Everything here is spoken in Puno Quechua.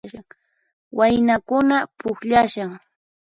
Waynakuna pukllashan